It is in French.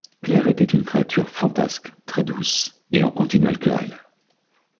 Claire était une créature fantasque, très-douce, et en continuelle querelle.